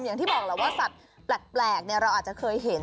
อย่างที่บอกแล้วว่าสัตว์แปลกเราอาจจะเคยเห็น